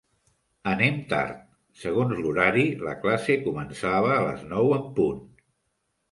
Anem tard! Segons l'horari, la classe començava a les nou en punt.